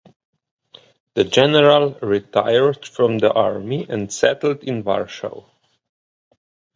The general retired from the army and settled in Warsaw.